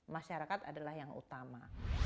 masyarakat adalah yang utama